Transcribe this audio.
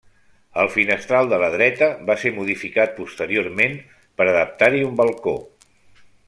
El finestral de la dreta, va ser modificat posteriorment per a adaptar-hi un balcó.